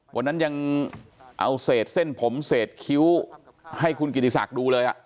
วันนั้นยังเอาเศษเส้นผมเศษคิ้วให้คุณกิติศักดิ์ดูเลย